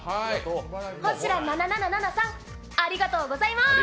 Ｈｏｓｈｉｒａ７７７さん、ありがとうございます。